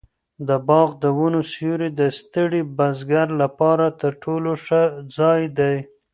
د باغ د ونو سیوری د ستړي بزګر لپاره تر ټولو ښه ځای دی.